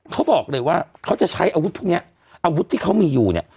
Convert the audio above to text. เขาบอกเลยว่าเขาจะใช้อาวุธพวกนี้อาวุธที่เขามีอยู่เนี่ย